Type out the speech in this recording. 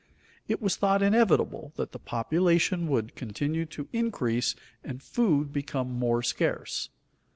It was thought inevitable that the population would continue to increase and food become more scarce.